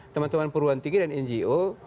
teman teman perguruan tinggi dan ngo